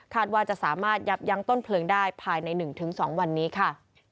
ว่าจะสามารถยับยั้งต้นเพลิงได้ภายใน๑๒วันนี้ค่ะ